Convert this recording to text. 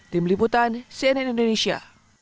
di meliputan cnn indonesia